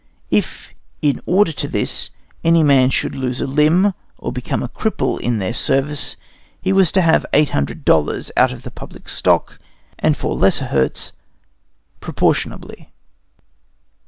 If, in order to this, any man should lose a limb, or become a cripple in their service, he was to have 800 dollars out of the public stock, and for lesser hurts proportionably.